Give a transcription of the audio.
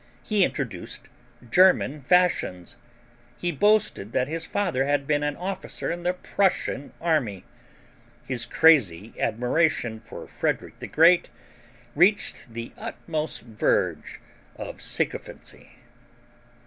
He introduced German fashions. He boasted that his father had been an officer in the Prussian army. His crazy admiration for Frederick the Great reached the utmost verge of sycophancy.